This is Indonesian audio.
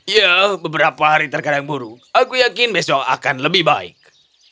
ya beberapa hari terkadang buru aku yakin besok akan lebih baik